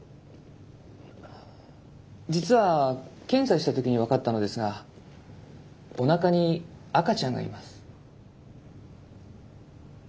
実は検査した時に分かったのですがおなかに赤ちゃんがいます。